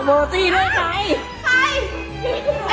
กลับมารมันทราบ